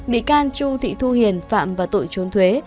bị can chu thị thu hiền phạm vào tội chốn thuế